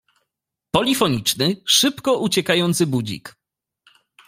Polifoniczny, szybko uciekający budzik.